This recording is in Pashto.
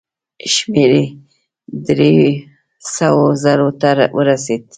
شمېر یې دریو سوو زرو ته ورسېد.